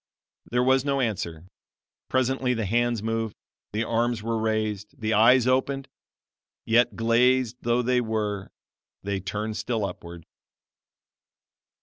There was no answer. Presently the hands moved, the arms were raised, the eyes opened yet, glazed though they were they turned still upward.